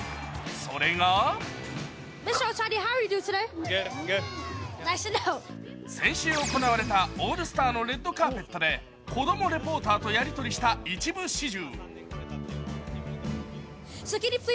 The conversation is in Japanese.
それが先週行われたオールスターのレッドカーペットで子供レポーターとやりとりした一部始終。